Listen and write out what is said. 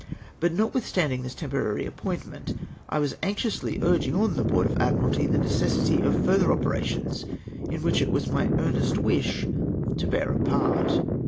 But notwithstanding this temporary appoint ment, I was anxiously urging on the Board of Admiralty the necessity of further operations in Avhicli it was my earnest wish to bear a part.